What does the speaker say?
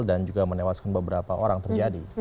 dan juga menewaskan beberapa orang terjadi